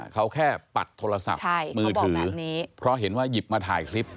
เขาแค่ปัดโทรศัพท์มือถือเพราะเห็นว่าหยิบมาถ่ายคลิป